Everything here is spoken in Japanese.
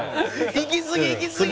「いきすぎ！いきすぎ！」